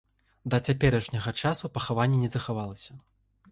Да цяперашняга часу пахаванне не захавалася.